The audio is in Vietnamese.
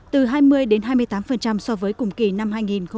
từ hai mươi đến hai mươi tám so với cùng kỳ năm hai nghìn một mươi chín